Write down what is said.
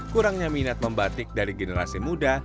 kurangnya minat membatik dari generasi muda